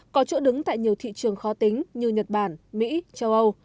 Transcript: có chỗ đứng tại nhiều thị trường khó tính như nhật bản mỹ châu âu